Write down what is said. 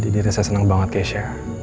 jadi diri saya senang banget keisha